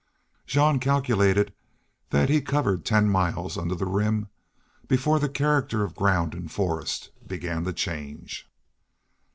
Jean calculated that he covered ten miles under the Rim before the character of ground and forest began to change.